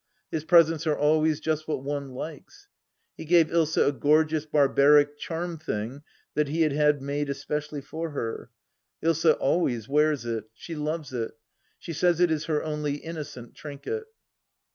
His presents are always just what one likes. He gave Ilsa a gorgeous barbaric charm thing that he had had made especially for her. Ilsa always wears it. She loves it. She says it is her only innocent trinket.